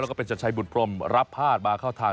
แล้วก็เป็นชัดชัยบุตรพรมรับพาดมาเข้าทาง